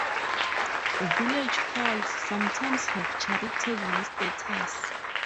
Village halls sometimes have charitable status.